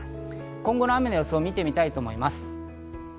今後の雨の予想を見てみたいと思います。